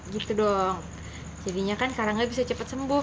gitu dong jadinya kan karangnya bisa cepet sembuh